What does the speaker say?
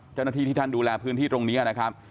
เจ้าหน้าที่ที่ท่านดูแลพื้นที่ตรงนี้นะครับ